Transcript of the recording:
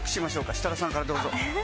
設楽さんからどうぞ。